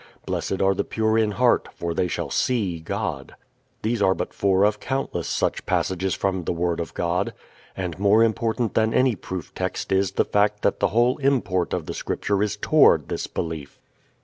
"Blessed are the pure in heart, for they shall see God." These are but four of countless such passages from the Word of God. And more important than any proof text is the fact that the whole import of the Scripture is toward this belief.